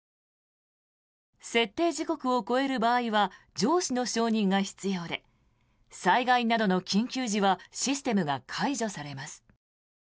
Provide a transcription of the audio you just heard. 設定時刻を超える場合は上司の承認が必要で災害などの緊急時はシステムが解除されます。